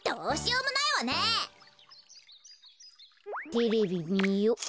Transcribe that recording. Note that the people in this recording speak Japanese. テレビみよ。